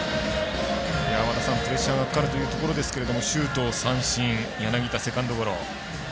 プレッシャーがかかるというところですけれども周東が三振柳田、セカンドゴロ。